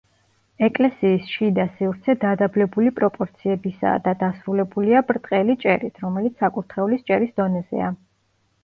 ეკლესიის შიდა სივრცე დადაბლებული პროპორციებისაა და დასრულებულია ბრტყელი ჭერით, რომელიც საკურთხევლის ჭერის დონეზეა.